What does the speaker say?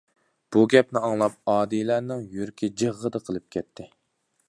بۇ گەپنى ئاڭلاپ ئادىلەنىڭ يۈرىكى جىغغىدە قىلىپ كەتتى.